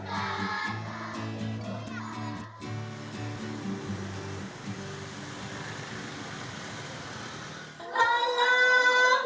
tidak diilukan secara inovatif